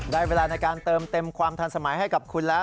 เวลาในการเติมเต็มความทันสมัยให้กับคุณแล้ว